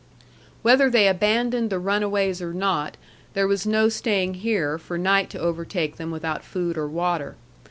Whether they abandoned the runaways or not, there was no staying here for night to overtake them without food or water.